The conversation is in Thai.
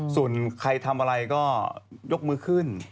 ส่วนใครทำอะไรก็ยกมือขึ้น